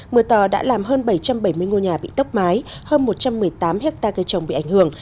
mưa to đã làm hơn bảy trăm bảy mươi ngôi nhà bị tốc mái hơn một trăm một mươi tám hectare cây trồng bị ảnh hưởng